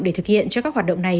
để thực hiện cho các hoạt động này